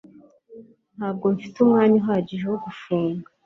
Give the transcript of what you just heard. Ntabwo mfite umwanya uhagije wo gufunga